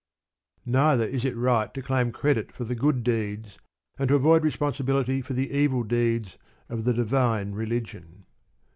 Neither is it right to claim credit for the good deeds, and to avoid responsibility for the evil deeds of the divine religion.